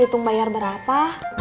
diutuh bayar berapa